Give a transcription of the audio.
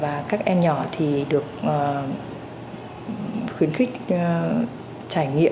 và các em nhỏ thì được khuyến khích trải nghiệm